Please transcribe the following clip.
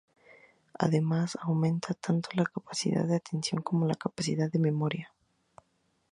Además, aumenta tanto la capacidad de atención como la capacidad de memoria.